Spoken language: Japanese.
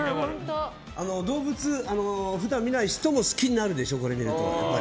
動物普段見ない人も好きになるでしょ。